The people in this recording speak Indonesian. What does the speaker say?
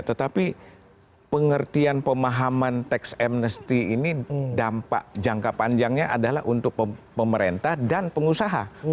tetapi pengertian pemahaman tax amnesty ini dampak jangka panjangnya adalah untuk pemerintah dan pengusaha